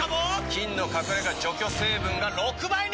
菌の隠れ家除去成分が６倍に！